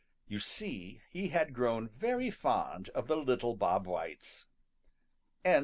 You see, he had grown very fond of the little Bob Whites. XII.